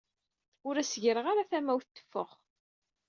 Ur as-gireɣ ara tamawt teffeɣ.